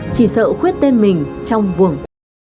chỉ sợ khuyết tên mình trong buồng